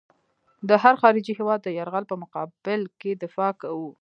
د هر خارجي هېواد د یرغل په مقابل کې دفاع کوو.